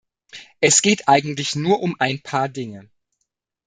Es geht eigentlich nur um ein paar Dinge.